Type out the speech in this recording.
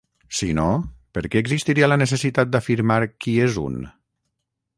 Si no, per què existiria la necessitat d'afirmar qui és un?